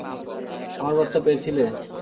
আমার বার্তা পেয়েছিলে?